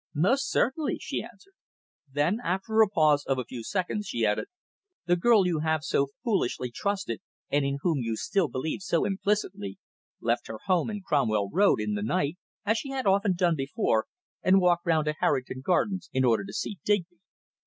"Most certainly," she answered. Then, after a pause of a few seconds, she added "The girl you have so foolishly trusted and in whom you still believe so implicitly, left her home in Cromwell Road in the night, as she had often done before, and walked round to Harrington Gardens in order to see Digby.